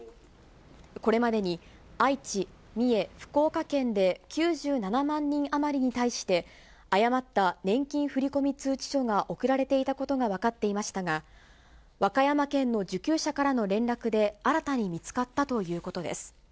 これまでに、愛知、三重、福岡県で９７万人余りに対して誤った年金振込通知書が送られていたことが分かっていましたが、和歌山県の受給者からの連絡で、新たに見つかったということです。